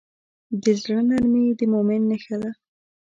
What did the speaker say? د زړه نرمي د مؤمن نښه ده.